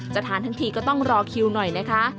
จะทานทั้งทีก็ต้องรอคิวหน่อยนะคะ